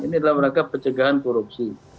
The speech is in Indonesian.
ini dalam rangka pencegahan korupsi